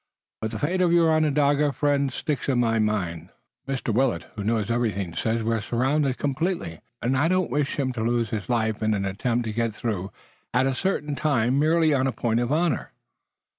But the fate of your Onondaga friend sticks in my mind. Mr. Willet, who knows everything, says we're surrounded completely, and I don't wish him to lose his life in an attempt to get through at a certain time, merely on a point of honor."